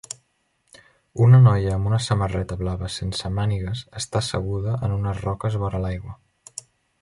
Una noia amb una samarreta blava sense mànigues està asseguda en unes roques vora l'aigua